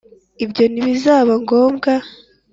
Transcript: ibyo ntibizaba ngombwa